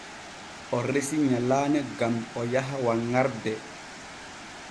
O resi nyalaane gam o yaha wanŋarde.